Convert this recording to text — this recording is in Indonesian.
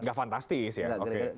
tidak fantastis ya oke